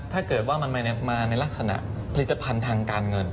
ถ้าเกิดว่ามันมาในลักษณะผลิตภัณฑ์ทางการเงิน